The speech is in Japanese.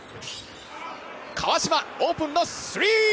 川島オープンのスリー！